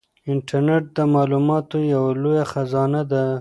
انټرنيټ د معلوماتو یوه لویه خزانه ده.